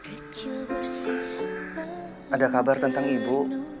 ada kabar tentang ibu